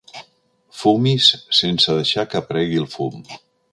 Fumis sense deixar que aparegui el fum.